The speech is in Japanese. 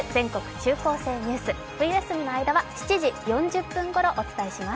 中高生ニュース」冬休みの間は７時４０分ごろお伝えします。